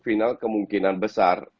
final kemungkinan besar